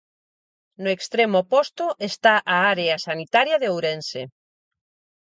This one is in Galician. No extremo oposto está a área sanitaria de Ourense.